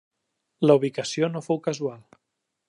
La ubicació no fou casual.